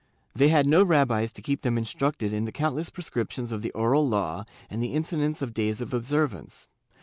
They had no rabbis to keep them instructed in the countless prescriptions of the Oral Law and the incidence of days of observance.